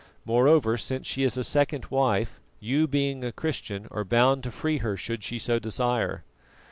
Moreover, since she is a second wife, you being a Christian, are bound to free her should she so desire."